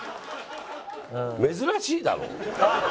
珍しいだろ！